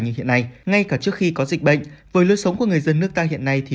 như hiện nay ngay cả trước khi có dịch bệnh với lối sống của người dân nước ta hiện nay thì